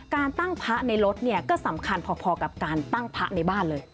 การตั้งพระในรถเนี่ยก็สำคัญพอกับการตั้งพระในบ้านเลย